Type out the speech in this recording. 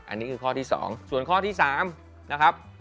อันนี้คือข้อที่๒ส่วนข้อที่๓นะครับ